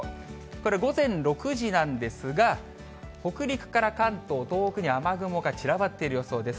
これ、午前６時なんですが、北陸から関東、東北に雨雲が散らばっている予想です。